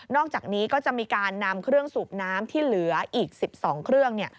อกจากนี้ก็จะมีการนำเครื่องสูบน้ำที่เหลืออีก๑๒เครื่อง